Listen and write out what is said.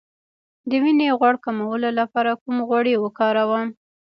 د وینې غوړ کمولو لپاره کوم غوړي وکاروم؟